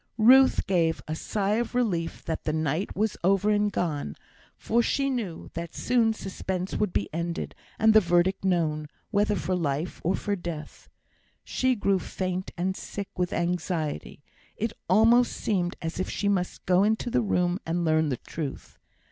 Ruth gave a sigh of relief that the night was over and gone; for she knew that soon suspense would be ended, and the verdict known, whether for life or for death. She grew faint and sick with anxiety; it almost seemed as if she must go into the room and learn the truth.